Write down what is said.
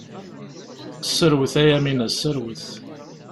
Serwet a Yamina, serwet!